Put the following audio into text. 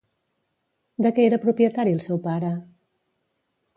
De què era propietari el seu pare?